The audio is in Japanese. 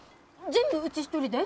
全部うち一人で？